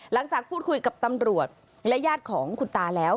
หลังจากพูดคุยกับตำรวจและญาติของคุณตาแล้ว